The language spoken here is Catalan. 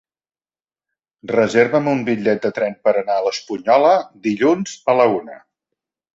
Reserva'm un bitllet de tren per anar a l'Espunyola dilluns a la una.